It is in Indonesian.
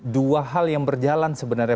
dua hal yang berjalan sebenarnya